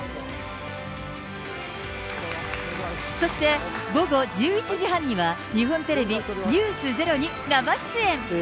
そして、午後１１時半には、日本テレビ、ｎｅｗｓｚｅｒｏに生出演。